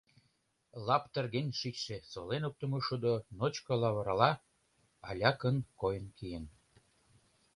Лаптырген шичше солен оптымо шудо ночко лавырала алякын койын киен.